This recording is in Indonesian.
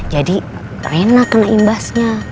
jadi rena kena imbasnya